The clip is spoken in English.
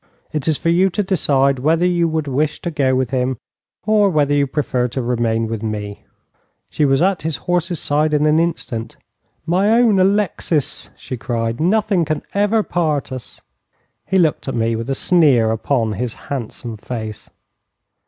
It is for you to decide whether you would wish to go with him, or whether you prefer to remain with me.' She was at his horse's side in an instant. 'My own Alexis,' she cried, 'nothing can ever part us.' He looked at me with a sneer upon his handsome face.